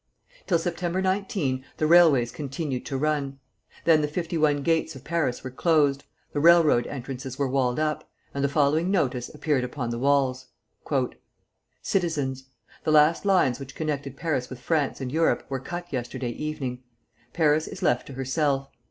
Till September 19 the railways continued to run. Then the fifty one gates of Paris were closed, the railroad entrances were walled up, and the following notice appeared upon the walls: "Citizens! The last lines which connected Paris with France and Europe were cut yesterday evening. Paris is left to herself.